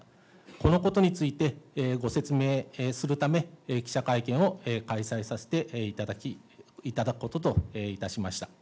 このことについて、ご説明するため、記者会見を開催させていただくことといたしました。